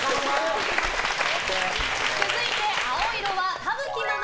続いて青色は田吹ママ。